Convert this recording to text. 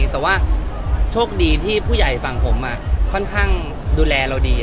แต่ว่าโชคดีที่ผู้ใหญ่ฝั่งผมค่อนข้างดูแลเราดี